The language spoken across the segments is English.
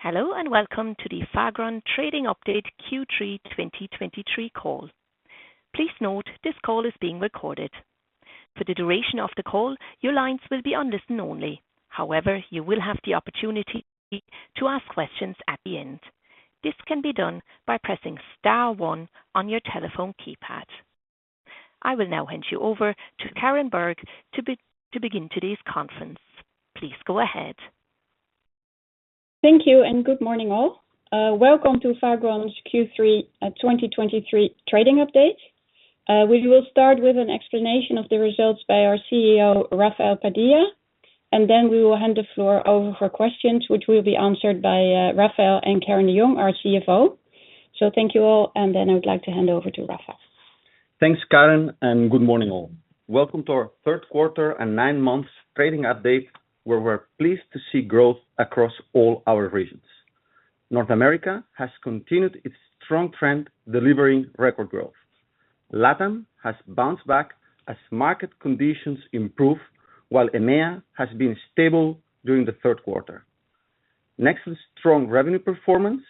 Hello, and welcome to the Fagron trading update Q3 2023 call. Please note, this call is being recorded. For the duration of the call, your lines will be on listen-only. However, you will have the opportunity to ask questions at the end. This can be done by pressing star one on your telephone keypad. I will now hand you over to Karen Berg to begin today's conference. Please go ahead. Thank you, and good morning, all. Welcome to Fagron's Q3 2023 trading update. We will start with an explanation of the results by our CEO, Rafael Padilla, and then we will hand the floor over for questions, which will be answered by Rafael and Karin de Jong, our CFO. So thank you all, and then I would like to hand over to Rafael. Thanks, Karen, and good morning, all. Welcome to our third quarter and nine months trading update, where we're pleased to see growth across all our regions. North America has continued its strong trend, delivering record growth. LatAm has bounced back as market conditions improve, while EMEA has been stable during the third quarter. Next, strong revenue performance: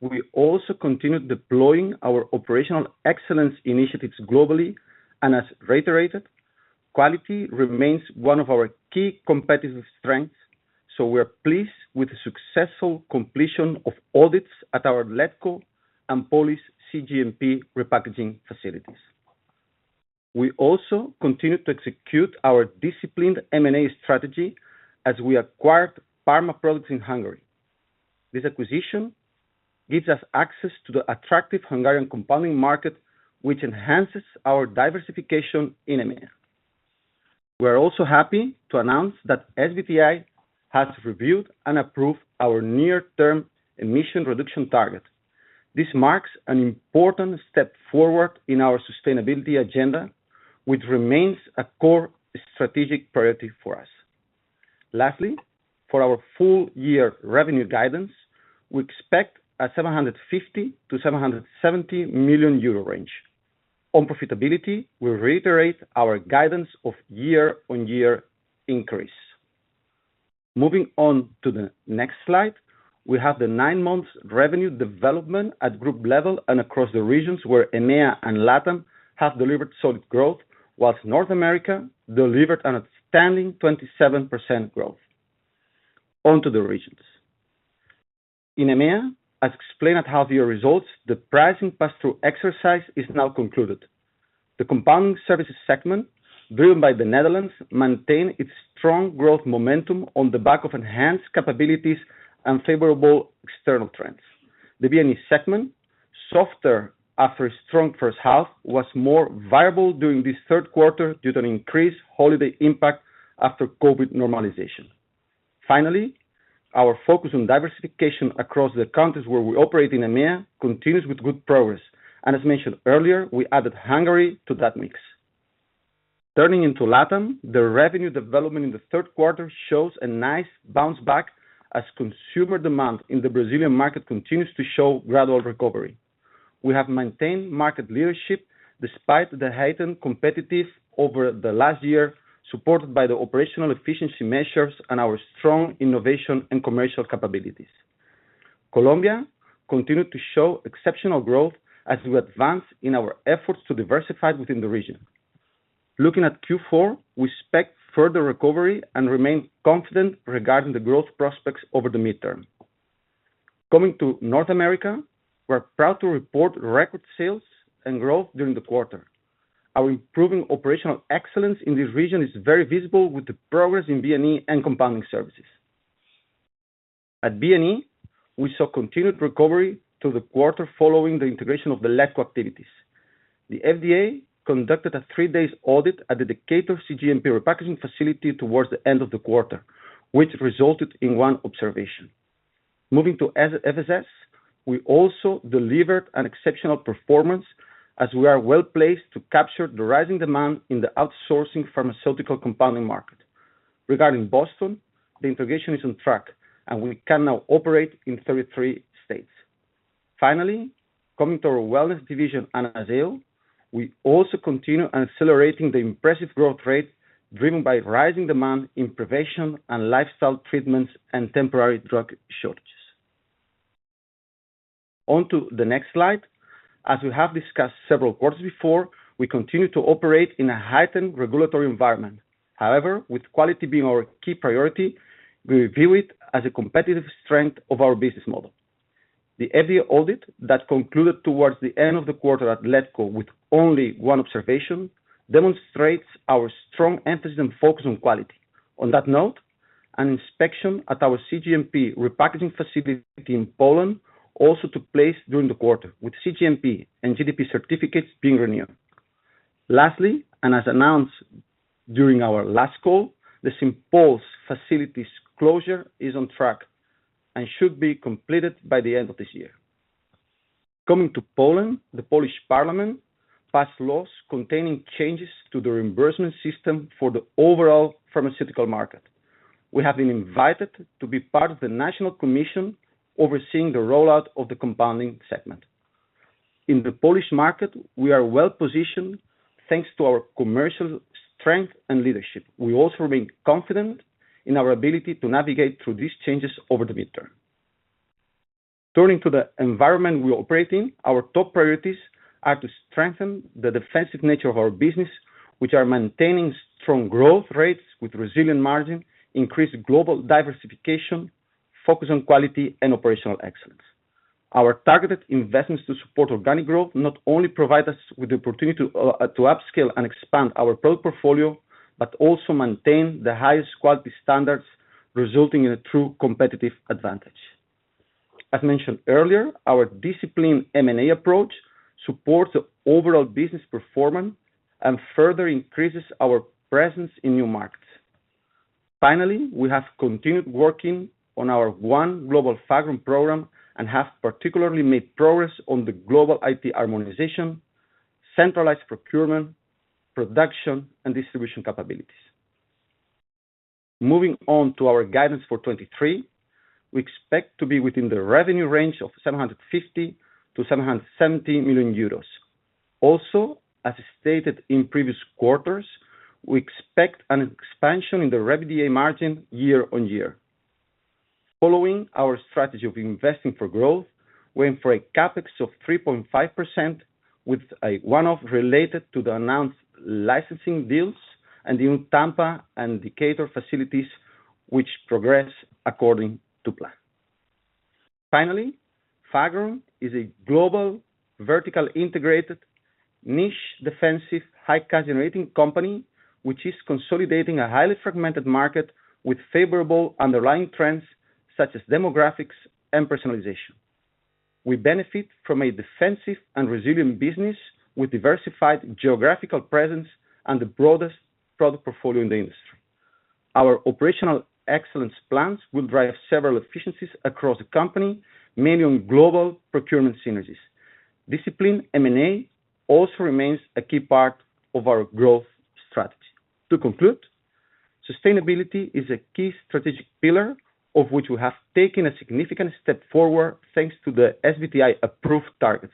we also continued deploying our operational excellence initiatives globally, and as reiterated, quality remains one of our key competitive strengths, so we are pleased with the successful completion of audits at our Letco and Polish cGMP repackaging facilities. We also continued to execute our disciplined M&A strategy as we acquired Parma Produkt in Hungary. This acquisition gives us access to the attractive Hungarian compounding market, which enhances our diversification in EMEA. We're also happy to announce that SBTi has reviewed and approved our near-term emission reduction target. This marks an important step forward in our sustainability agenda, which remains a core strategic priority for us. Lastly, for our full-year revenue guidance, we expect a 750 million-770 million euro range. On profitability, we reiterate our guidance of year-on-year increase. Moving on to the next slide, we have the nine-month revenue development at group level and across the regions where EMEA and LatAm have delivered solid growth, while North America delivered an outstanding 27% growth. On to the regions. In EMEA, as explained at half year results, the pricing pass-through exercise is now concluded. The Compounding Services segment, driven by the Netherlands, maintained its strong growth momentum on the back of enhanced capabilities and favorable external trends. The B&E segment, softer after a strong first half, was more viable during this third quarter due to an increased holiday impact after COVID normalization. Finally, our focus on diversification across the countries where we operate in EMEA continues with good progress, and as mentioned earlier, we added Hungary to that mix. Turning into LatAm, the revenue development in the third quarter shows a nice bounce back as consumer demand in the Brazilian market continues to show gradual recovery. We have maintained market leadership despite the heightened competitive over the last year, supported by the operational efficiency measures and our strong innovation and commercial capabilities. Colombia continued to show exceptional growth as we advance in our efforts to diversify within the region. Looking at Q4, we expect further recovery and remain confident regarding the growth prospects over the midterm. Coming to North America, we're proud to report record sales and growth during the quarter. Our improving operational excellence in this region is very visible, with the progress in B&E and Compounding Services. At B&E, we saw continued recovery to the quarter following the integration of the Letco activities. The FDA conducted a three-day audit at the Decatur cGMP repackaging facility toward the end of the quarter, which resulted in one observation. Moving to FSS, we also delivered an exceptional performance as we are well-placed to capture the rising demand in the outsourcing pharmaceutical Compounding market. Regarding Boston, the integration is on track, and we can now operate in 33 states. Finally, coming to our wellness division, Anazao, we also continue accelerating the impressive growth rate, driven by rising demand in prevention and lifestyle treatments and temporary drug shortages. On to the next slide. As we have discussed several quarters before, we continue to operate in a heightened regulatory environment. However, with quality being our key priority, we view it as a competitive strength of our business model. The FDA audit that concluded towards the end of the quarter at Letco with only one observation demonstrates our strong emphasis and focus on quality. On that note, an inspection at our cGMP repackaging facility in Poland also took place during the quarter, with cGMP and GDP certificates being renewed. Lastly, as announced during our last call, the St. Paul's facilities closure is on track and should be completed by the end of this year. Coming to Poland, the Polish parliament passed laws containing changes to the reimbursement system for the overall pharmaceutical market. We have been invited to be part of the National Commission, overseeing the rollout of the Compounding segment. In the Polish market, we are well-positioned, thanks to our commercial strength and leadership. We also remain confident in our ability to navigate through these changes over the midterm. Turning to the environment we operate in, our top priorities are to strengthen the defensive nature of our business, which are maintaining strong growth rates with resilient margin, increase global diversification, focus on quality and operational excellence. Our targeted investments to support organic growth not only provide us with the opportunity to upscale and expand our product portfolio, but also maintain the highest quality standards, resulting in a true competitive advantage. As mentioned earlier, our disciplined M&A approach supports the overall business performance and further increases our presence in new markets. Finally, we have continued working on our One Global Fagron program and have particularly made progress on the global IT harmonization, centralized procurement, production, and distribution capabilities. Moving on to our guidance for 2023, we expect to be within the revenue range of 750 million-770 million euros. Also, as stated in previous quarters, we expect an expansion in the revenue margin year-on-year. Following our strategy of investing for growth, we aim for a CapEx of 3.5% with a one-off related to the announced licensing deals and the new Tampa and Decatur facilities, which progress according to plan. Finally, Fagron is a global, vertically integrated, niche, defensive, high cash-generating company, which is consolidating a highly fragmented market with favorable underlying trends such as demographics and personalization. We benefit from a defensive and resilient business with diversified geographical presence and the broadest product portfolio in the industry. Our operational excellence plans will drive several efficiencies across the company, mainly on global procurement synergies. Disciplined M&A also remains a key part of our growth strategy. To conclude, sustainability is a key strategic pillar of which we have taken a significant step forward, thanks to the SBTi approved targets,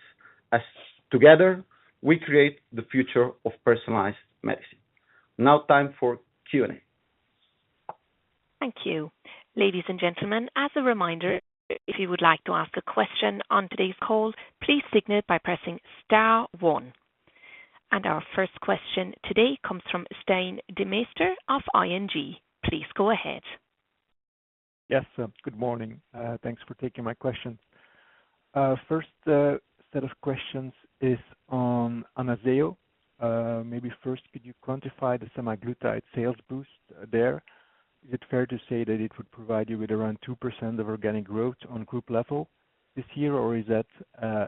as together, we create the future of personalized medicine. Now time for Q&A. Thank you. Ladies and gentlemen, as a reminder, if you would like to ask a question on today's call, please signal by pressing star one. Our first question today comes from Stijn Demeester of ING. Please go ahead. Yes, good morning. Thanks for taking my questions. First, set of questions is on Anazao. Maybe first, could you quantify the semaglutide sales boost there? Is it fair to say that it would provide you with around 2% of organic growth on group level this year, or is that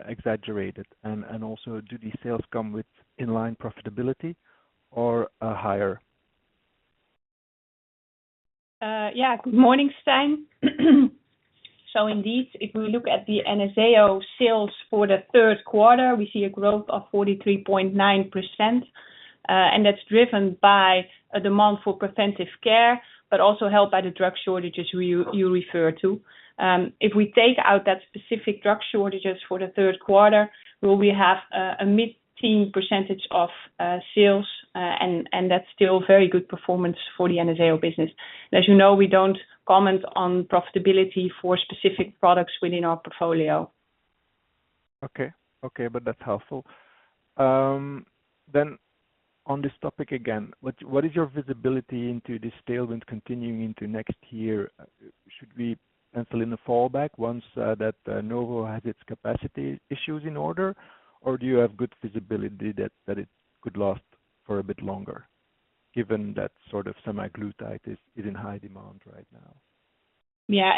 exaggerated? And also, do these sales come with inline profitability or higher? Yeah, good morning, Stijn. So indeed, if we look at the Anazao sales for the third quarter, we see a growth of 43.9%, and that's driven by a demand for preventive care, but also helped by the drug shortages you refer to. If we take out that specific drug shortages for the third quarter, we will have a mid-teen percentage of sales, and that's still very good performance for the Anazao business. As you know, we don't comment on profitability for specific products within our portfolio. Okay. Okay, but that's helpful. Then on this topic again, what is your visibility into this tailwind continuing into next year? Should we pencil in a fallback once that Novo has its capacity issues in order, or do you have good visibility that it could last for a bit longer, given that sort of semaglutide is in high demand right now? Yeah.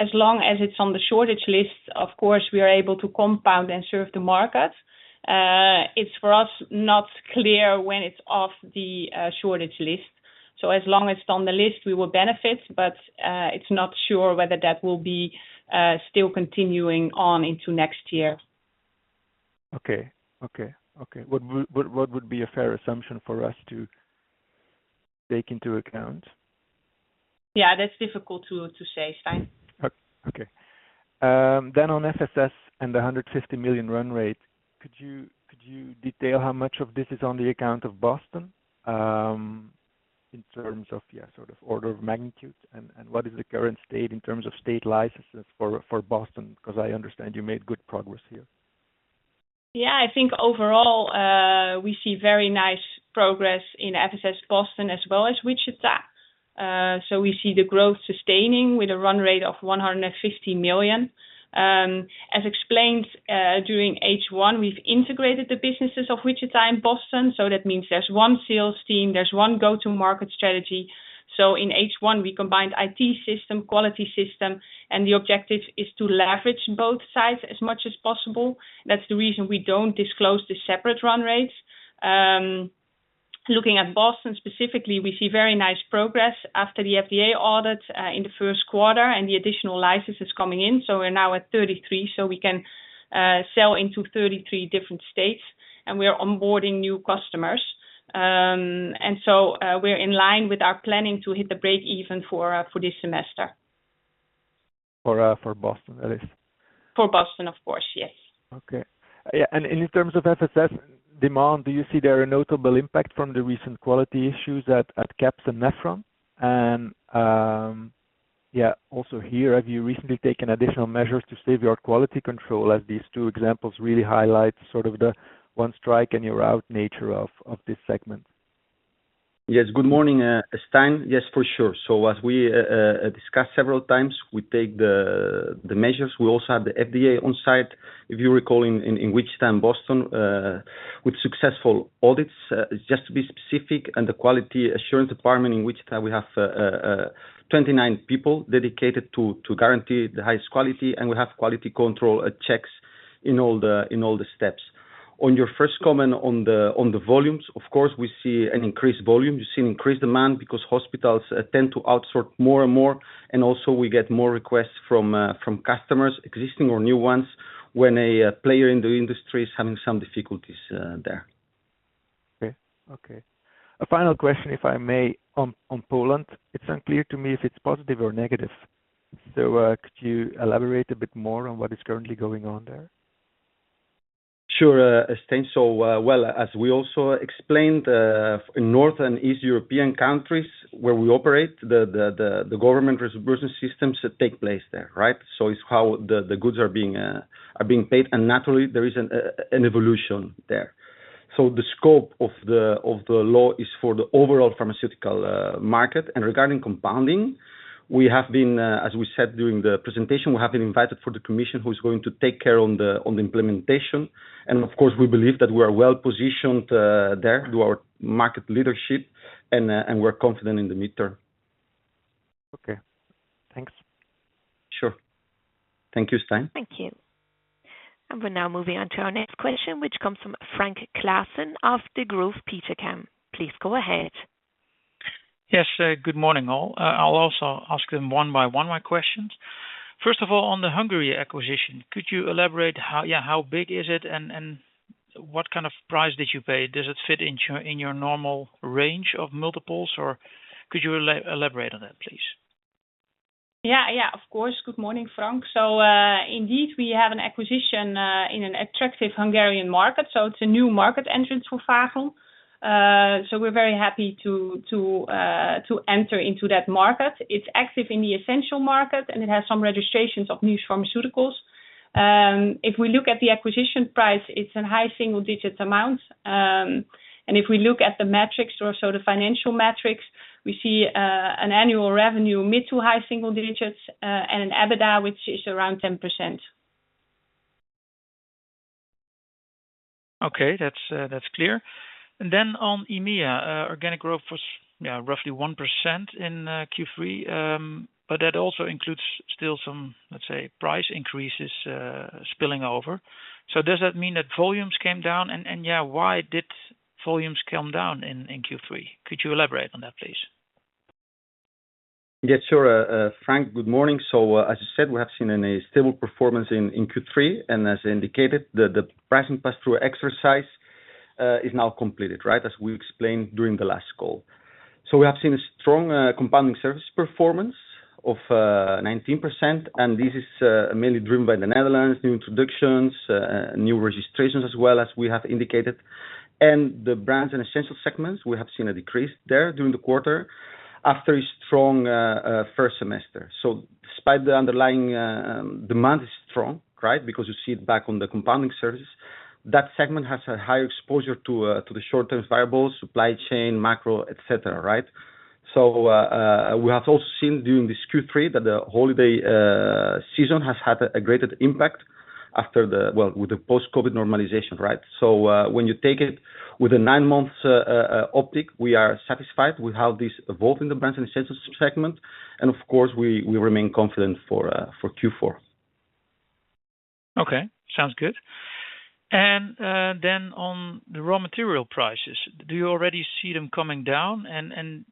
As long as it's on the shortage list, of course, we are able to compound and serve the market. It's for us, not clear when it's off the shortage list. So as long as it's on the list, we will benefit, but it's not sure whether that will be still continuing on into next year. Okay. What would be a fair assumption for us to take into account? Yeah, that's difficult to say, Stijn. Okay. Then on FSS and the 150 million run rate, could you detail how much of this is on account of Boston, in terms of, yeah, sort of order of magnitude? And what is the current state in terms of state licenses for Boston? Because I understand you made good progress here. Yeah, I think overall, we see very nice progress in FSS Boston as well as Wichita. So we see the growth sustaining with a run rate of 150 million. As explained, during H1, we've integrated the businesses of Wichita and Boston. So that means there's one sales team, there's one go-to-market strategy. So in H1, we combined IT system, quality system, and the objective is to leverage both sides as much as possible. That's the reason we don't disclose the separate run rates. Looking at Boston specifically, we see very nice progress after the FDA audit, in the first quarter, and the additional licenses coming in. So we're now at 33, so we can sell into 33 different states, and we are onboarding new customers. We're in line with our planning to hit the break-even for this semester. ...For, for Boston, that is? For Boston, of course, yes. Okay. Yeah, in terms of FSS demand, do you see there a notable impact from the recent quality issues at CAPS and Nephron? Yeah, also here, have you recently taken additional measures to save your quality control, as these two examples really highlight sort of the one strike and you're out nature of this segment? Yes. Good morning, Stijn. Yes, for sure. So as we discussed several times, we take the measures. We also have the FDA on site. If you recall, in Wichita and Boston, with successful audits, just to be specific, and the quality assurance department in Wichita, we have 29 people dedicated to guarantee the highest quality, and we have quality control checks in all the steps. On your first comment on the volumes, of course, we see an increased volume. We see an increased demand because hospitals tend to outsource more and more, and also we get more requests from customers, existing or new ones, when a player in the industry is having some difficulties there. Okay. Okay. A final question, if I may, on, on Poland. It's unclear to me if it's positive or negative. So, could you elaborate a bit more on what is currently going on there? Sure, Stijn. Well, as we also explained, in North and East European countries where we operate, the government reimbursement systems take place there, right? It's how the goods are being paid, and naturally, there is an evolution there. The scope of the law is for the overall pharmaceutical market. Regarding Compounding, as we said during the presentation, we have been invited for the commission, who is going to take care of the implementation. Of course, we believe that we are well-positioned there through our market leadership, and we're confident in the midterm. Okay, thanks. Sure. Thank you, Stijn. Thank you. We're now moving on to our next question, which comes from Frank Claassen of Degroof Petercam. Please go ahead. Yes, good morning, all. I'll also ask them one by one, my questions. First of all, on the Hungary acquisition, could you elaborate how, yeah, how big is it and what kind of price did you pay? Does it fit in your normal range of multiples, or could you elaborate on that, please? Yeah, yeah, of course. Good morning, Frank. So, indeed, we have an acquisition in an attractive Hungarian market, so it's a new market entrance for Fagron. So we're very happy to, to, to enter into that market. It's active in the Essentials market, and it has some registrations of new pharmaceuticals. If we look at the acquisition price, it's in high single-digit amounts. And if we look at the metrics or so, the financial metrics, we see an annual revenue mid to high single digits, and an EBITDA, which is around 10%. Okay, that's clear. And then on EMEA, organic growth was, yeah, roughly 1% in Q3. But that also includes still some, let's say, price increases spilling over. So does that mean that volumes came down, and yeah, why did volumes come down in Q3? Could you elaborate on that, please? Yes, sure, Frank, good morning. As I said, we have seen a stable performance in Q3, and as indicated, the pricing pass-through exercise is now completed, right? As we explained during the last call. We have seen a strong Compounding Services performance of 19%, and this is mainly driven by the Netherlands, new introductions, new registrations, as well as we have indicated. In the Brands & Essentials segment, we have seen a decrease there during the quarter after a strong first semester. Despite that, the underlying demand is strong, right? Because you see it back on the Compounding Services. That segment has a high exposure to the short-term variables, supply chain, macro, et cetera, right? So, we have also seen during this Q3 that the holiday season has had a greater impact after the... Well, with the post-COVID normalization, right? So, when you take it with a nine-month optic, we are satisfied with how this evolved in the Brands & Essentials segment, and of course, we remain confident for Q4. Okay, sounds good. And, then on the raw material prices, do you already see them coming down? And,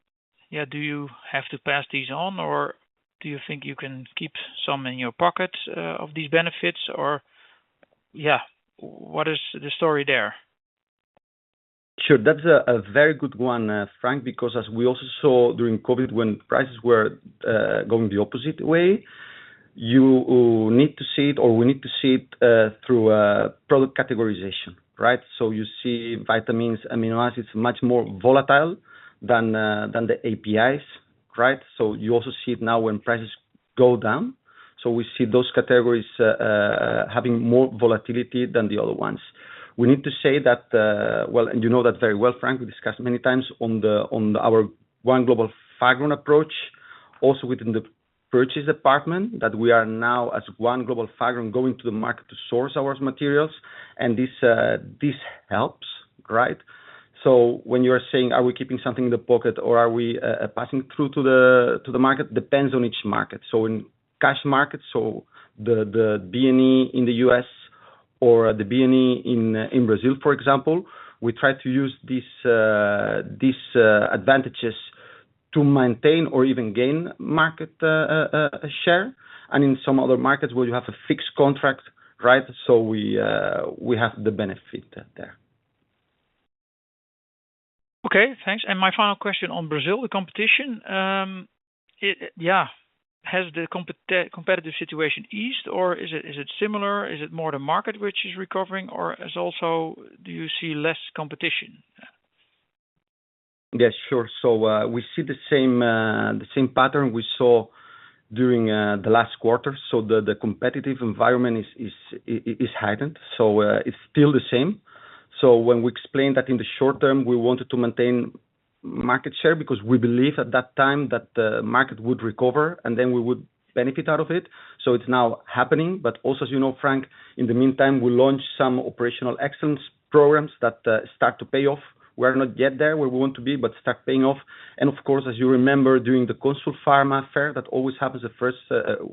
yeah, do you have to pass these on, or do you think you can keep some in your pocket, of these benefits? Or, yeah, what is the story there? Sure. That's a very good one, Frank, because as we also saw during COVID, when prices were going the opposite way, you need to see it, or we need to see it, through a product categorization, right? So you see vitamins, amino acids, much more volatile than the APIs, right? So you also see it now when prices go down. So we see those categories having more volatility than the other ones. We need to say that, well, and you know that very well, Frank, we discussed many times on our One Global Fagron approach, also within the purchase department, that we are now, as One Global Fagron, going to the market to source our materials, and this helps, right? So when you are saying, "Are we keeping something in the pocket or are we passing through to the market?" Depends on each market. So in cash markets, so the B&E in the U.S. or the B&E in Brazil, for example, we try to use these advantages to maintain or even gain market share. And in some other markets where you have a fixed contract, right? So we have the benefit there.... Okay, thanks. And my final question on Brazil, the competition, has the competitive situation eased, or is it similar? Is it more the market which is recovering, or is also do you see less competition? Yes, sure. So, we see the same, the same pattern we saw during, the last quarter. So the, the competitive environment is, is, is heightened, so, it's still the same. So when we explained that in the short term, we wanted to maintain market share, because we believe at that time that the market would recover, and then we would benefit out of it. So it's now happening, but also, as you know, Frank, in the meantime, we launched some operational excellence programs that, start to pay off. We're not yet there, where we want to be, but start paying off. And of course, as you remember, during the Consulfarma fair, that always happens the first,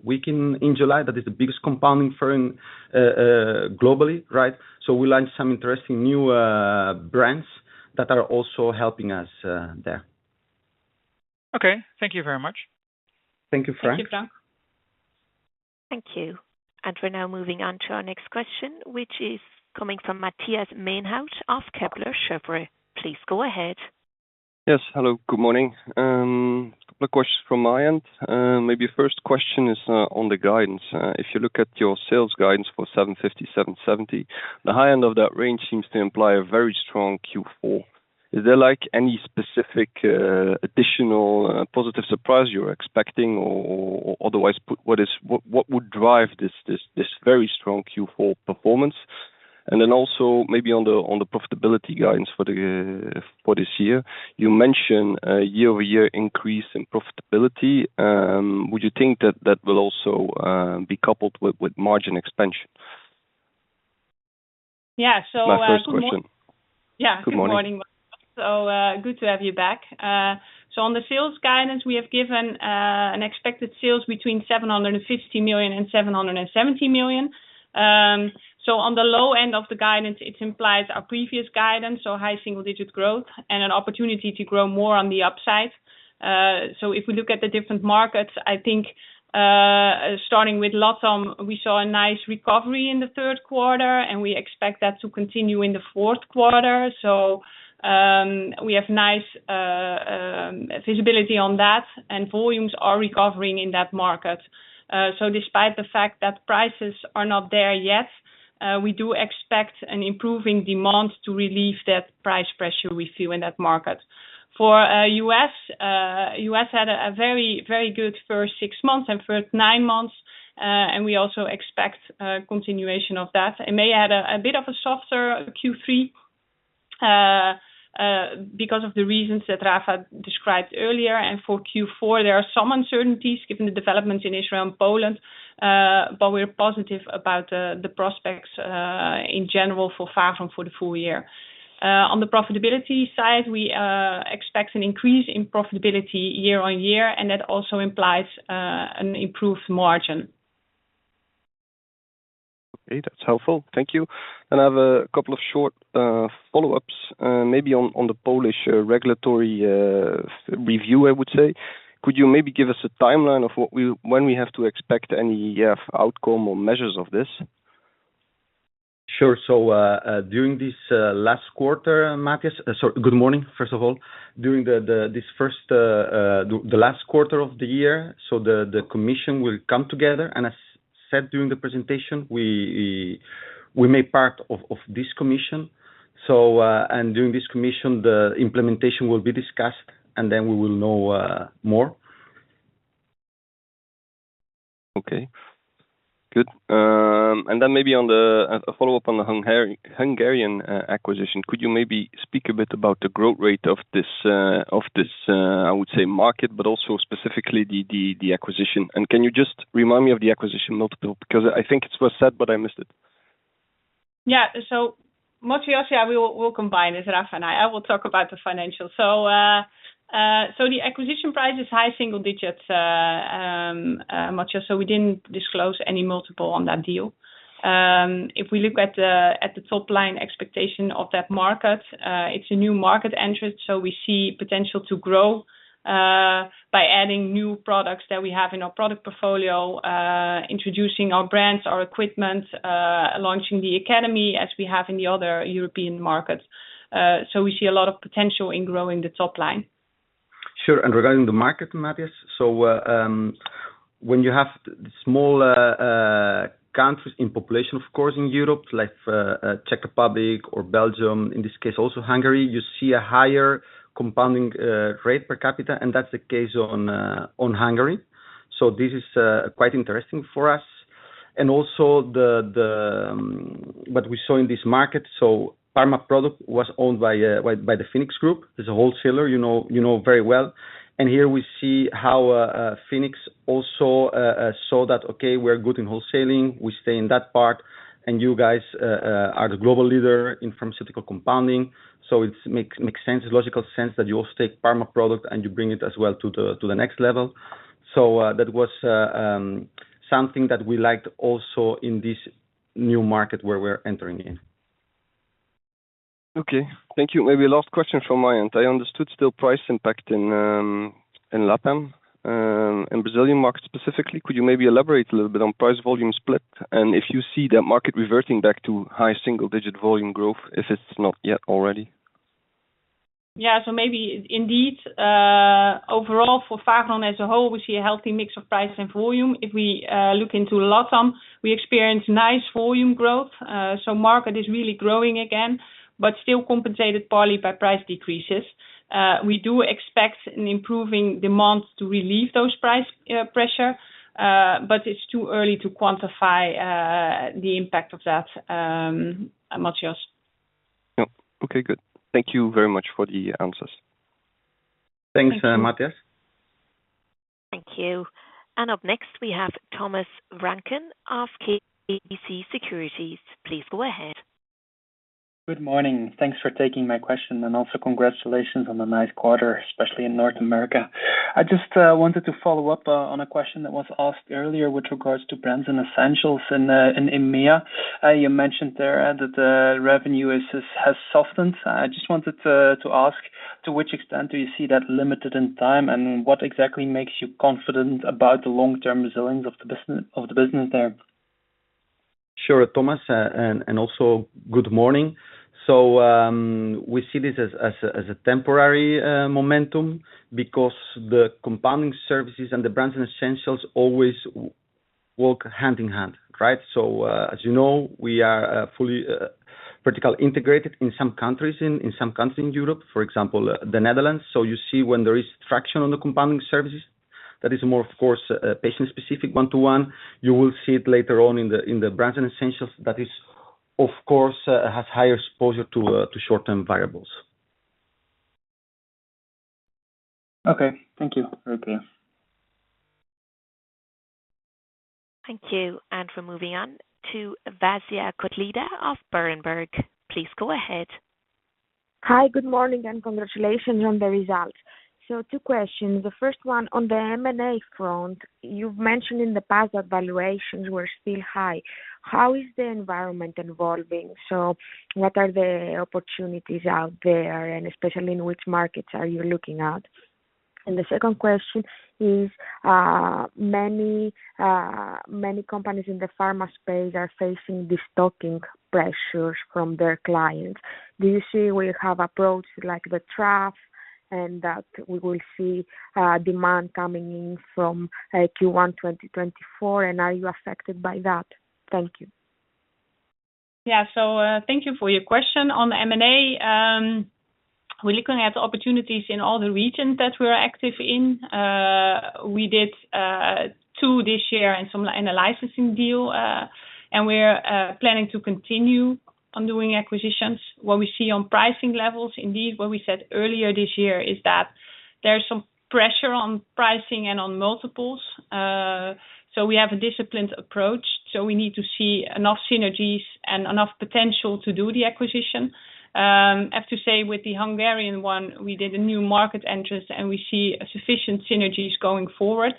week in, in July, that is the biggest compounding fair, globally, right? We launched some interesting new brands that are also helping us there. Okay. Thank you very much. Thank you, Frank. Thank you, Frank. Thank you. We're now moving on to our next question, which is coming from Matthias Maenhaut of Kepler Cheuvreux. Please go ahead. Yes. Hello, good morning. A couple of questions from my end. Maybe first question is, on the guidance. If you look at your sales guidance for 750 million-770 million, the high end of that range seems to imply a very strong Q4. Is there like any specific, additional, positive surprise you're expecting, or otherwise, what would drive this very strong Q4 performance? And then also maybe on the, on the profitability guidance for the, for this year, you mentioned a year-over-year increase in profitability. Would you think that that will also, be coupled with, with margin expansion? Yeah. So, My first question. Yeah. Good morning. Good morning. So, good to have you back. So on the sales guidance, we have given an expected sales between 750 million and 770 million. So on the low end of the guidance, it implies our previous guidance, so high single-digit growth and an opportunity to grow more on the upside. So if we look at the different markets, I think, starting with LatAm, we saw a nice recovery in the third quarter, and we expect that to continue in the fourth quarter. So, we have nice visibility on that, and volumes are recovering in that market. So despite the fact that prices are not there yet, we do expect an improving demand to relieve that price pressure we see in that market. For U.S., U.S. had a very, very good first six months and first nine months, and we also expect a continuation of that. I may add a bit of a softer Q3, because of the reasons that Rafa described earlier. For Q4, there are some uncertainties given the developments in Israel and Poland, but we're positive about the prospects in general, for Fagron for the full year. On the profitability side, we expect an increase in profitability year-on-year, and that also implies an improved margin. Okay. That's helpful. Thank you. I have a couple of short follow-ups, maybe on the Polish regulatory review, I would say. Could you maybe give us a timeline of when we have to expect any outcome or measures of this? Sure. So, during this last quarter, Matthias. So good morning, first of all. During this last quarter of the year, so the commission will come together, and as said during the presentation, we made part of this commission. So, and during this commission, the implementation will be discussed, and then we will know more. Okay, good. And then maybe on the, a follow-up on the Hungarian acquisition, could you maybe speak a bit about the growth rate of this, of this, I would say market, but also specifically the, the, the acquisition? And can you just remind me of the acquisition multiple? Because I think it was said, but I missed it. Yeah. So Matthias, yeah, we will, we'll combine this, Rafa and I. I will talk about the financial. So, so the acquisition price is high single digits, Matthias, so we didn't disclose any multiple on that deal. If we look at the, at the top-line expectation of that market, it's a new market entrant, so we see potential to grow, by adding new products that we have in our product portfolio, introducing our brands, our equipment, launching the academy, as we have in the other European markets. So we see a lot of potential in growing the top line. Sure. And regarding the market, Matthias, so, when you have small countries in population, of course, in Europe, like, Czech Republic or Belgium, in this case, also Hungary, you see a higher compounding rate per capita, and that's the case on Hungary. So this is quite interesting for us. And also what we saw in this market, so Parma Produkt was owned by the Phoenix Group. It's a wholesaler, you know, you know very well. And here we see how Phoenix also saw that, okay, we're good in wholesaling, we stay in that part, and you guys are the global leader in pharmaceutical compounding. So it makes sense, logical sense that you will take Parma Produkt and you bring it as well to the next level. So, that was something that we liked also in this new market where we're entering in. Okay. Thank you. Maybe last question from my end. I understood still price impact in LatAm, in Brazilian market specifically, could you maybe elaborate a little bit on price volume split? And if you see the market reverting back to high single digit volume growth, if it's not yet already. Yeah, so maybe indeed, overall, for Fagron as a whole, we see a healthy mix of price and volume. If we look into LatAm, we experience nice volume growth. So market is really growing again, but still compensated partly by price decreases. We do expect an improving demand to relieve those price pressure, but it's too early to quantify the impact of that, Matthias. Yep. Okay, good. Thank you very much for the answers. Thanks, Matthias. Thank you. Up next, we have Thomas Vranken of KBC Securities. Please go ahead. Good morning. Thanks for taking my question, and also congratulations on a nice quarter, especially in North America. I just wanted to follow up on a question that was asked earlier with regards to Brands & Essentials in EMEA. You mentioned there that the revenue has softened. I just wanted to ask to which extent do you see that limited in time? And what exactly makes you confident about the long-term resilience of the business there? Sure, Thomas, and also good morning. So, we see this as a temporary momentum because the Compounding Services and the Brands & Essentials always walk hand in hand, right? So, as you know, we are fully vertically integrated in some countries, in some countries in Europe, for example, the Netherlands. So you see when there is traction on the Compounding Services, that is more, of course, patient-specific, one to one. You will see it later on in the Brands & Essentials, that is, of course, has higher exposure to short-term variables. Okay. Thank you. Okay. Thank you. We're moving on to Vasia Kotlida of Berenberg. Please go ahead. Hi, good morning, and congratulations on the results. So two questions. The first one, on the M&A front, you've mentioned in the past that valuations were still high. How is the environment evolving? So what are the opportunities out there, and especially in which markets are you looking at? And the second question is, many, many companies in the pharma space are facing destocking pressures from their clients. Do you see we have approached, like, the trough and that we will see demand coming in from Q1 2024, and are you affected by that? Thank you. Yeah. So, thank you for your question. On the M&A, we're looking at opportunities in all the regions that we're active in. We did two this year and a licensing deal, and we're planning to continue on doing acquisitions. What we see on pricing levels, indeed, what we said earlier this year, is that there is some pressure on pricing and on multiples. So we have a disciplined approach, so we need to see enough synergies and enough potential to do the acquisition. I have to say, with the Hungarian one, we did a new market entrance, and we see sufficient synergies going forward,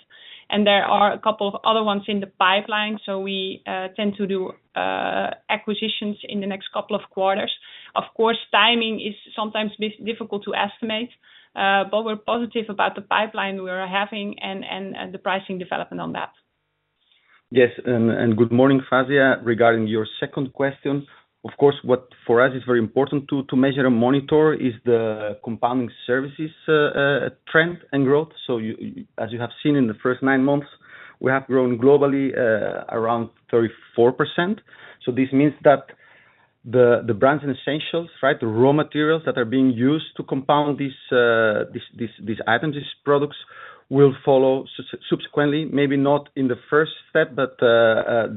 and there are a couple of other ones in the pipeline, so we tend to do acquisitions in the next couple of quarters. Of course, timing is sometimes difficult to estimate, but we're positive about the pipeline we are having and the pricing development on that. Yes, and good morning, Vasia. Regarding your second question, of course, what for us is very important to measure and monitor is the Compounding Services trend and growth. So you, as you have seen in the first nine months, we have grown globally around 34%. So this means that the Brands & Essentials, right, the raw materials that are being used to compound these items, these products, will follow subsequently, maybe not in the first step, but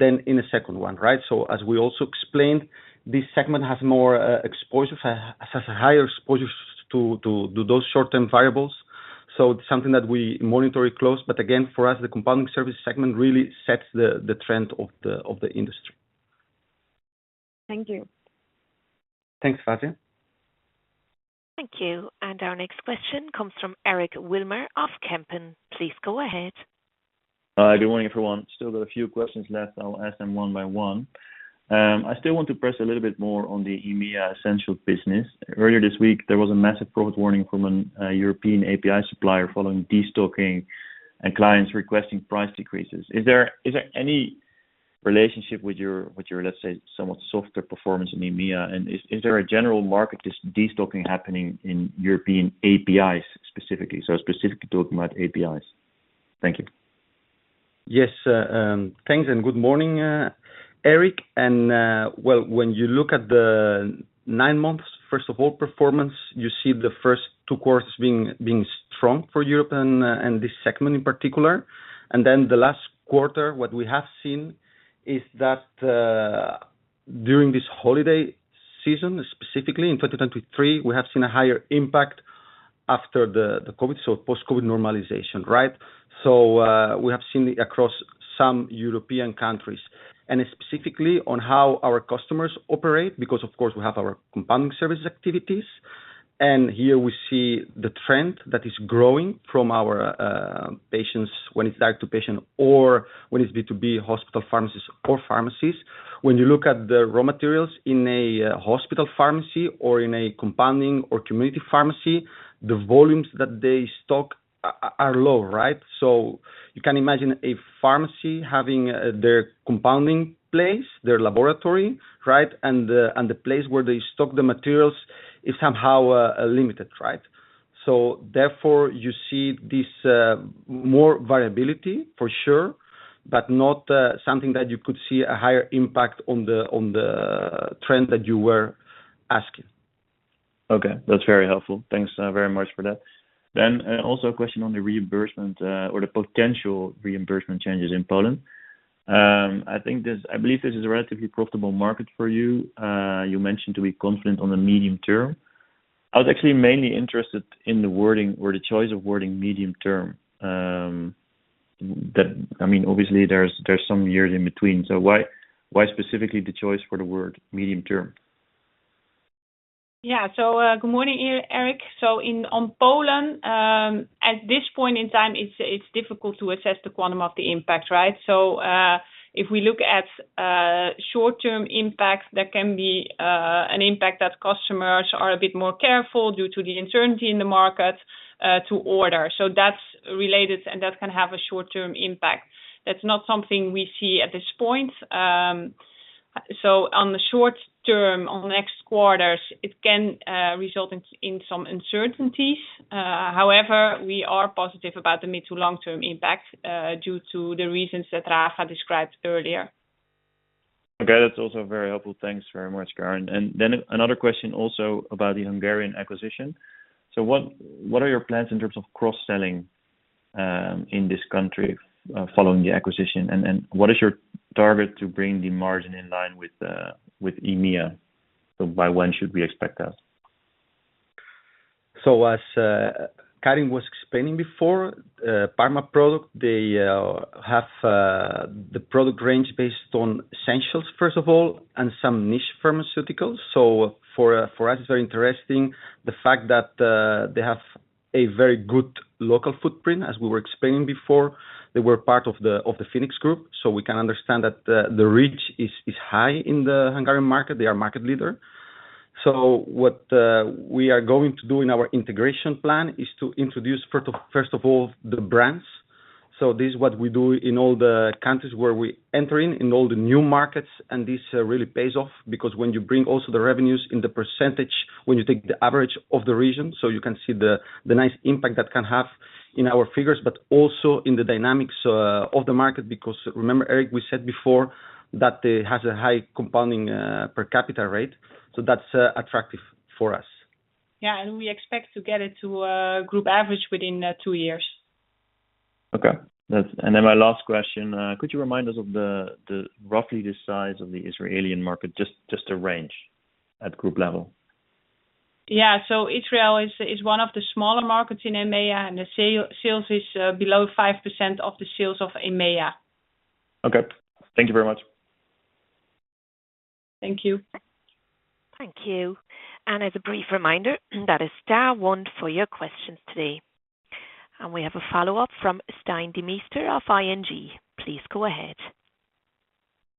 then in a second one, right? So as we also explained, this segment has more exposure, has a higher exposure to those short-term variables. So it's something that we monitor it close. But again, for us, the Compounding Services segment really sets the trend of the industry. Thank you. Thanks, Vasia. Thank you. Our next question comes from Eric Wilmer of Kempen. Please go ahead. Good morning, everyone. Still got a few questions left. I'll ask them one by one. I still want to press a little bit more on the EMEA Essentials business. Earlier this week, there was a massive profit warning from an European API supplier following destocking and clients requesting price decreases. Is there any relationship with your, with your, let's say, somewhat softer performance in EMEA? And is there a general market destocking happening in European APIs specifically? So specifically talking about APIs. Thank you. Yes, thanks and good morning, Eric. Well, when you look at the nine months, first of all, performance, you see the first two quarters being strong for Europe and this segment in particular. And then the last quarter, what we have seen is that during this holiday season, specifically in 2023, we have seen a higher impact after the COVID, so post-COVID normalization, right? So, we have seen it across some European countries, and specifically on how our customers operate, because, of course, we have our Compounding Services activities, and here we see the trend that is growing from our patients, when it's direct to patient or when it's B2B hospital, pharmacies or pharmacies. When you look at the raw materials in a hospital pharmacy or in a compounding or community pharmacy, the volumes that they stock are low, right? So you can imagine a pharmacy having their compounding place, their laboratory, right, and the, and the place where they stock the materials is somehow limited, right? So therefore, you see this more variability for sure, but not something that you could see a higher impact on the, on the trend that you were asking. Okay, that's very helpful. Thanks, very much for that. Then, also a question on the reimbursement, or the potential reimbursement changes in Poland. I think this. I believe this is a relatively profitable market for you. You mentioned to be confident on the medium term. I was actually mainly interested in the wording or the choice of wording, medium term. That. I mean, obviously, there's, there's some years in between, so why, why specifically the choice for the word medium term? Yeah. So, good morning, Eric. So in, on Poland, at this point in time, it's difficult to assess the quantum of the impact, right? So, if we look at short-term impacts, there can be an impact that customers are a bit more careful due to the uncertainty in the market to order. So that's related, and that can have a short-term impact. That's not something we see at this point. So on the short term, on the next quarters, it can result in some uncertainties. However, we are positive about the mid to long-term impact, due to the reasons that Rafa described earlier. Okay, that's also very helpful. Thanks very much, Karin. And then another question also about the Hungarian acquisition. So what are your plans in terms of cross-selling in this country following the acquisition? And what is your target to bring the margin in line with EMEA? So by when should we expect that? So as Karin was explaining before, Parma Produkt, they have the product range based on Essentials, first of all, and some niche pharmaceuticals. So for us, it's very interesting the fact that they have a very good local footprint, as we were explaining before. They were part of the Phoenix Group, so we can understand that the reach is high in the Hungarian market. They are market leader. So what we are going to do in our integration plan is to introduce, first of all, the brands. So this is what we do in all the countries where we enter in, in all the new markets, and this really pays off, because when you bring also the revenues in the percentage, when you take the average of the region, so you can see the nice impact that can have in our figures, but also in the dynamics of the market, because remember, Eric, we said before that it has a high compounding per capita rate, so that's attractive for us. Yeah, and we expect to get it to a group average within two years. Okay. That's... my last question, could you remind us of the roughly the size of the Israeli market, just a range at group level? Yeah. So Israel is one of the smaller markets in EMEA, and the sales is below 5% of the sales of EMEA. Okay. Thank you very much. Thank you. Thank you. As a brief reminder, that is star one for your questions today. We have a follow-up from Stijn Demeester of ING. Please go ahead.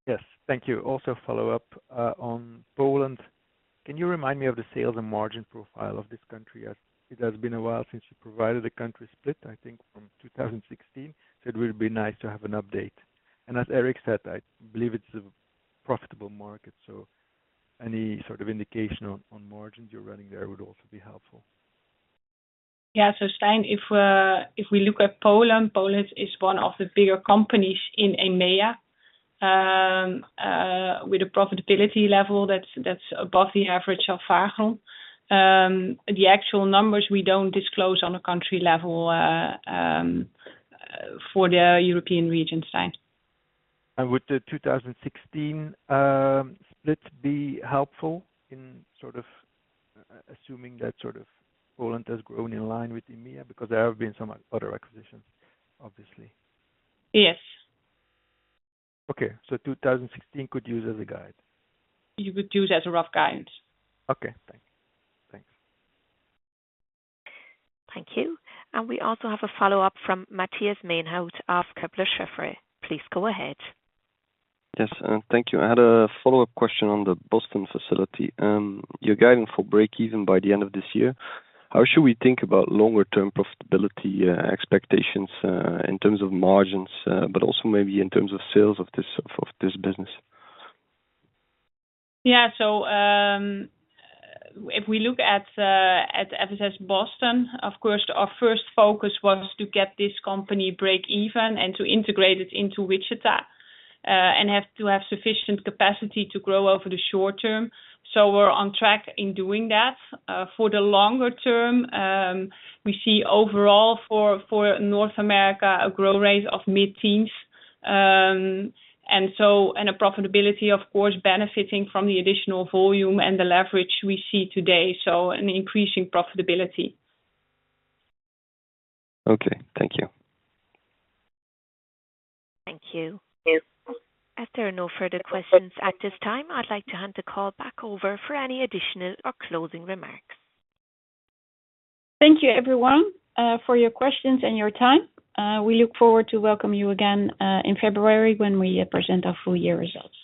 Yes, thank you. Also, a follow-up on Poland. Can you remind me of the sales and margin profile of this country, as it has been a while since you provided a country split, I think from 2016? So it would be nice to have an update. And as Eric said, I believe it's a profitable market, so any sort of indication on margins you're running there would also be helpful. Yeah. So, Stijn, if we look at Poland, Poland is one of the bigger companies in EMEA, with a profitability level that's above the average of Fagron. The actual numbers, we don't disclose on a country level, for the European region, Stijn. Would the 2016 split be helpful in sort of assuming that Poland has grown in line with EMEA? Because there have been some other acquisitions, obviously. Yes. Okay, so 2016 could use as a guide. You could use as a rough guide. Okay, thanks. Thanks. Thank you. We also have a follow-up from Matthias Maenhaut of Kepler Cheuvreux. Please go ahead. Yes, and thank you. I had a follow-up question on the Boston facility. You're guiding for break even by the end of this year. How should we think about longer term profitability, expectations, in terms of margins, but also maybe in terms of sales of this, of this business? Yeah. So, if we look at FSS Boston, of course, our first focus was to get this company break even and to integrate it into Wichita, and have to have sufficient capacity to grow over the short term. So we're on track in doing that. For the longer term, we see overall for North America, a growth rate of mid-teens. And so, and a profitability, of course, benefiting from the additional volume and the leverage we see today, so an increasing profitability. Okay. Thank you. Thank you. Yes. As there are no further questions at this time, I'd like to hand the call back over for any additional or closing remarks. Thank you, everyone, for your questions and your time. We look forward to welcome you again, in February, when we present our full-year results.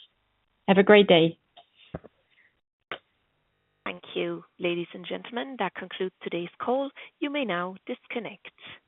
Have a great day. Thank you, ladies and gentlemen. That concludes today's call. You may now disconnect.